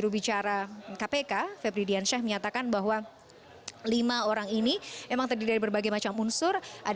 berbicara kpk febri diansyah menyatakan bahwa lima orang ini emang terdiri dari berbagai macam unsur ada